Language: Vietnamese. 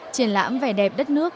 triển lãm về đẹp đất nước